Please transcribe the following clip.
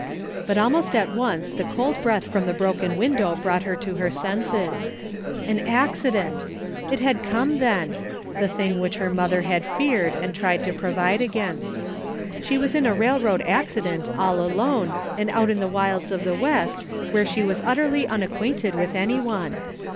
But almost at once the cold breath from the broken window brought her to her senses. An accident! It had come then! The thing which her mother had feared and tried to provide against. She was in a railroad accident all alone and out in the wilds of the West where she was utterly unacquainted with anyone!